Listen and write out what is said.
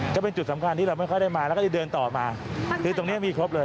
จะเป็นจุดสำคัญที่เราไม่ค่อยได้มาแล้วก็จะเดินต่อมาคือตรงเนี้ยมีครบเลย